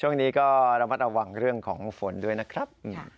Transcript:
ช่วงนี้ก็ระมัดระวังเรื่องของฝนด้วยนะครับ